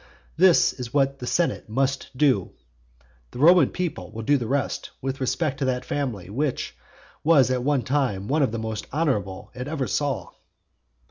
This is what the senate must do; the Roman people will do the rest with respect to that family which was at one time one of the most honourable it ever saw.